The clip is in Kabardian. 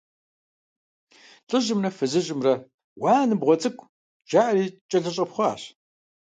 ЛӀыжьымрэ фызыжьымрэ, «уа, ныбгъуэ цӀыкӀу!» жаӀэри, кӀэлъыщӀэпхъуащ.